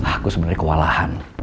aku sebenernya kewalahan